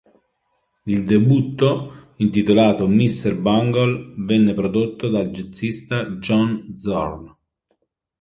Il debutto, intitolato "Mr. Bungle", venne prodotto dal jazzista John Zorn.